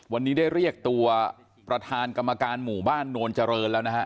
วันนี้ได้เรียกตัวประธานกรรมการหมู่บ้านโนนเจริญแล้วนะฮะ